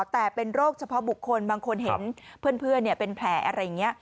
แต่เป็นโรคเฉพาะบุคคลบางคนเห็นเพื่อนเป็นแผลอะไรอย่างนี้